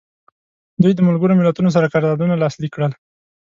دوی د ملګرو ملتونو سره قراردادونه لاسلیک کړل.